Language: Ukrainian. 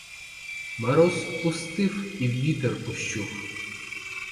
Мороз пустив і вітер ущух.